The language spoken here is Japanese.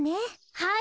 はい。